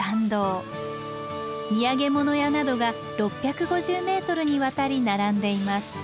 土産物屋などが６５０ｍにわたり並んでいます。